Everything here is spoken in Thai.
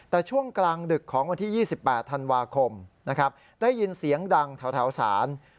แต่ช่วงกลางดึกของวันที่๒๘ธันวาคมนะครับได้ยินเสียงดังแถวศาล